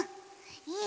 いいよ！